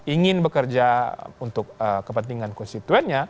ingin bekerja untuk kepentingan konstituennya